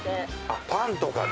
パンとかね。